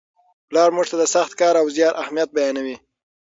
پلار موږ ته د سخت کار او زیار اهمیت بیانوي.